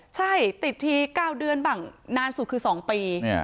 ใช่ติดที่เก้าเดือนบังนานสุดคือสองปีเนี่ย